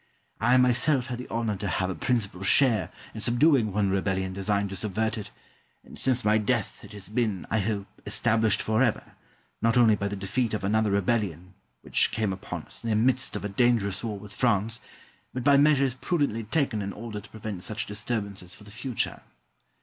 I myself had the honour to have a principal share in subduing one rebellion designed to subvert it, and since my death it has been, I hope, established for ever, not only by the defeat of another rebellion, which came upon us in the midst of a dangerous war with France, but by measures prudently taken in order to prevent such disturbances for the future.